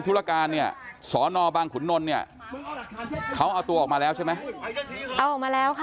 ธุรการเนี่ยสอนอบางขุนนลเนี่ยเขาเอาตัวออกมาแล้วใช่ไหมเอาออกมาแล้วค่ะ